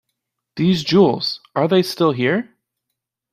These jewels — are they still here?